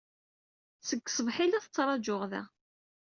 Seg ṣṣbaḥ ay la tettṛajuɣ da.